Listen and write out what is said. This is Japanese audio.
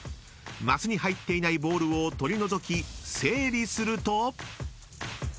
［マスに入っていないボールを取り除き整理すると］